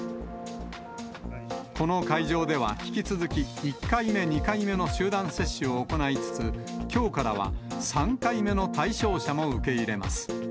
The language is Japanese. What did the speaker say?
この会場では引き続き、１回目、２回目の集団接種を行いつつ、きょうからは３回目の対象者も受け入れます。